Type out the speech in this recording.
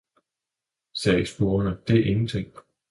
sagde spurvene, det er ingenting!